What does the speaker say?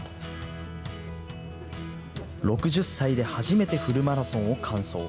６０歳で初めてフルマラソンを完走。